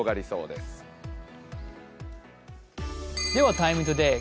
「ＴＩＭＥ，ＴＯＤＡＹ」